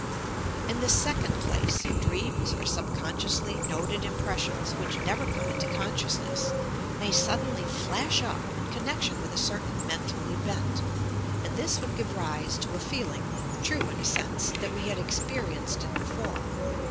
In the second place, dreams or suboonsciously noted impressions which never come into consciousness, may suddenly flash up, in connection with a certain mental event, and this would give rise to a feeling (true, in a M) REINCARNATION 291 . we had experienced it before.